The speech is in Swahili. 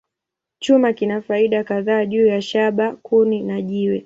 Chuma kina faida kadhaa juu ya shaba, kuni, na jiwe.